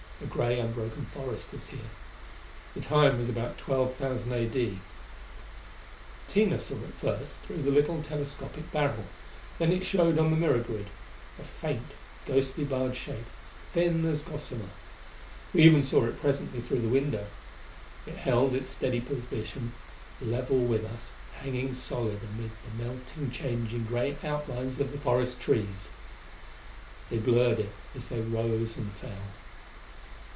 A gray unbroken forest was here. The time was about 12,000 A.D. Tina saw it first through the little telescopic barrel; then it showed on the mirror grid a faint, ghostly barred shape, thin as gossamer. We even saw it presently through the window. It held its steady position, level with us, hanging solid amid the melting, changing gray outlines of the forest trees. They blurred it as they rose and fell.